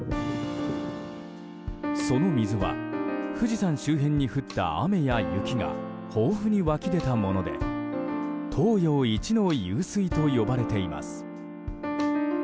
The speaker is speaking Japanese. その水は富士山周辺に降った雨や雪が豊富に湧き出たもので東洋一の湧水と呼ばれています。